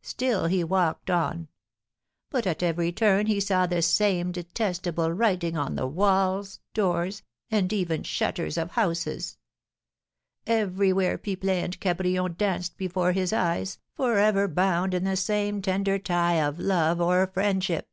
Still he walked on; but at every turn he saw the same detestable writing on the walls, doors, and even shutters of houses! Everywhere Pipelet and Cabrion danced before his eyes, for ever bound in the same tender tie of love or friendship!